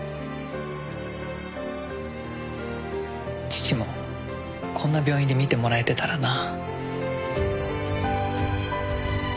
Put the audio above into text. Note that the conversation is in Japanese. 父もこんな病院で診てもらえてたらな。